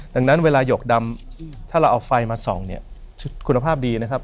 ดังนั้นเวลาหยกดำถ้าเราเอาไฟมาส่องเนี่ยคุณภาพดีนะครับ